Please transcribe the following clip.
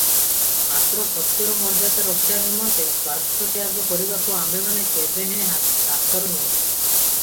ମାତ୍ର ସତ୍ୟର ମର୍ଯ୍ୟାଦା ରକ୍ଷା ନିମନ୍ତେ ସ୍ୱାର୍ଥତ୍ୟାଗ କରିବାକୁ ଅମ୍ଭେମାନେ କେବେହେଁ କାତର ନୋହୁଁ ।